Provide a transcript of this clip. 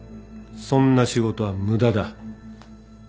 そんな仕事は無駄だ